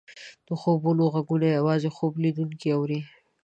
د خوبونو ږغونه یوازې خوب لیدونکی اوري.